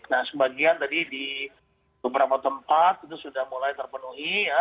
nah sebagian tadi di beberapa tempat itu sudah mulai terpenuhi ya